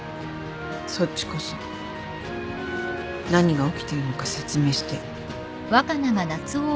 そっちこそ何が起きてるのか説明して。